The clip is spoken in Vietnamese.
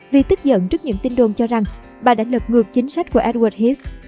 vì tức giận trước những tin đồn cho rằng bà đã lật ngược chính sách của edward heath